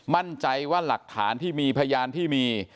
มั่นใจว่าหลักฐานที่มีพยานที่มี